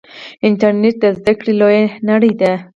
انټرنیټ د زده کړې لویه نړۍ ده.